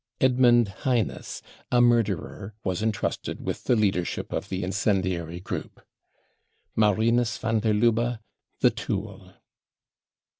Edmund Heines : a murderer, was entrusted with the leadership of the incendiary group. Marinus van der Lubbe : the tool.